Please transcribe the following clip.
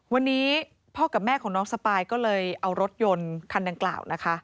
วันนี้พ่อกับแม่ของน้องสปายก็เลยเอารถยนต์คันดังกล่าวนะคะ